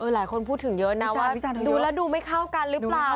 หลายคนพูดถึงเยอะนะว่าดูแล้วดูไม่เข้ากันหรือเปล่า